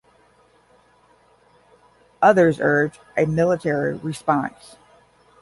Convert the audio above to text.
Others urge a military response.